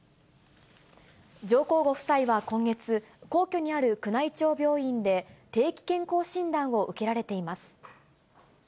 上皇ご夫妻は今月、皇居にある宮内庁病院で、定期健康診断を受けられています。